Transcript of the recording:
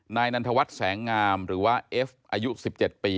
นายนันทวัฒน์แสงงามหรือว่าเอฟอายุ๑๗ปี